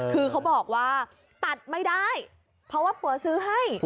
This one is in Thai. คือเขาบอกว่าตัดไม่ได้เพราะว่าผัวซื้อให้